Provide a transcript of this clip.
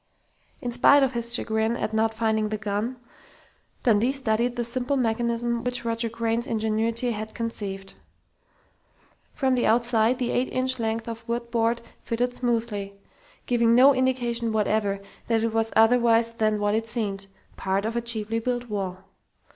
In spite of his chagrin at not finding the gun, Dundee studied the simple mechanism which Roger Crain's ingenuity had conceived. From the outside, the eight inch length of board fitted smoothly, giving no indication whatever that it was otherwise than what it seemed part of a cheaply built wall.